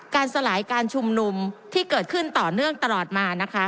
สลายการชุมนุมที่เกิดขึ้นต่อเนื่องตลอดมานะคะ